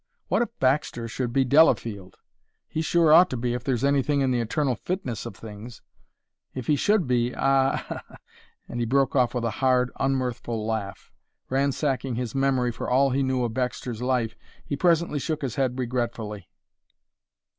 what if Baxter should be Delafield! He sure ought to be if there's anything in the eternal fitness of things. If he should be ah h," and he broke off with a hard, unmirthful laugh. Ransacking his memory for all he knew of Baxter's life he presently shook his head regretfully.